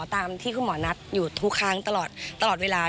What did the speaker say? ตามที่คุณหมอนัดอยู่ทุกครั้งตลอดเวลา